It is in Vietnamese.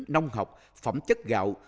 nông học phẩm chất gạo